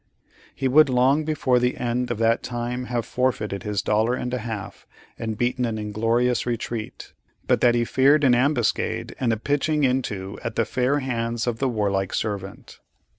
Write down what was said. He would long before the end of that time have forfeited his dollar and a half and beaten an inglorious retreat, but that he feared an ambuscade and a pitching into at the fair hands of the warlike servant.